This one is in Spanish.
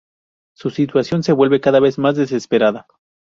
Su situación se vuelve cada vez más desesperada.